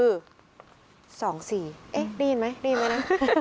ได้ยินไหมได้ยินไหมนะ